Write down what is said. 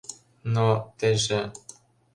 Но... теже...